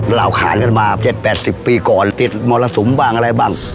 หลักฐานกันมา๗๘๐ปีก่อนติดมรสุมบ้างอะไรบ้าง